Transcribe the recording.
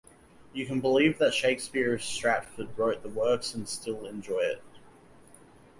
You can believe that Shakespeare of Stratford wrote the works and still enjoy it.